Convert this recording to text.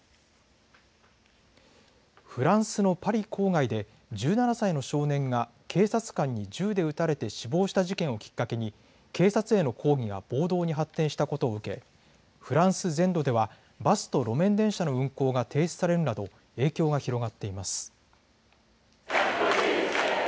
フランスのパリ郊外で１７歳の少年が警察官に銃で撃たれて死亡した事件をきっかけに警察への抗議が暴動に発展したことを受けフランス全土ではバスと路面電車の運行が停止されるなど影響が広がっています。